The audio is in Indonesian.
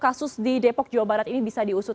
kasus di depok jawa barat ini bisa diusut